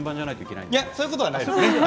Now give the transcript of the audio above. いや、そういうことはないですね。